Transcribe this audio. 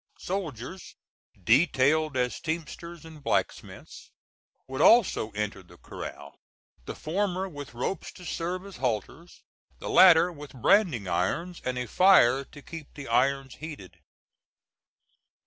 Soldiers detailed as teamsters and black smiths would also enter the corral, the former with ropes to serve as halters, the latter with branding irons and a fire to keep the irons heated.